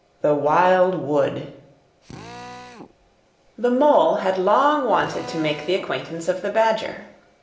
THE WILD WOOD The Mole had long wanted to make the acquaintance of the Badger.